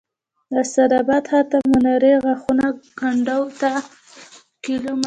د اسداباد ښار نه منورې غاښي کنډو ته څو کیلو متره